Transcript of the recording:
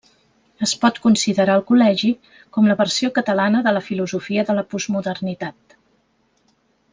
Es pot considerar el Col·legi com la versió catalana de la filosofia de la postmodernitat.